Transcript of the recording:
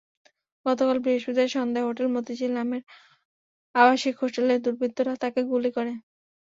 গতকাল বৃহস্পতিবার সন্ধ্যায় হোটেল মতিঝিল নামের আবাসিক হোটেলে দুর্বৃত্তরা তাঁকে গুলি করে।